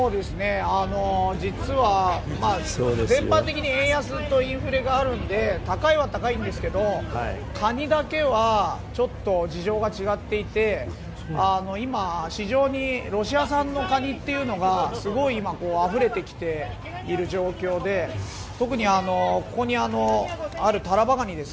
実は、全般的に円安のインフレがあるので高いは高いんですけどカニだけはちょっと事情が違っていて今、市場にロシア産のカニがすごいあふれてきている状況で特に、ここにあるタラバガニ